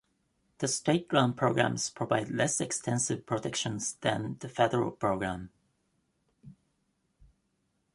The state-run programs provide less extensive protections than the federal program.